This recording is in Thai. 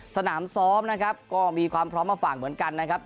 สนามซ้อมก็มีความพร้อมมาฝั่งเหมือนกันนะครับ